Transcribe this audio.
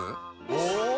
お！